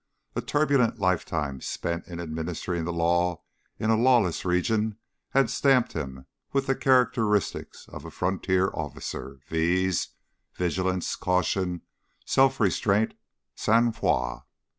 A turbulent lifetime spent in administering the law in a lawless region had stamped him with the characteristics of a frontier officer viz., vigilance, caution, self restraint, sang froid.